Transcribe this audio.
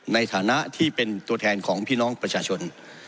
ในฐานะที่เป็นตัวแทนของพี่น้องประชาชน